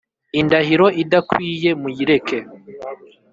Indahiro idakwiye muyireke.